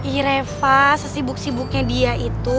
ih rafa sesibuk sibuknya dia itu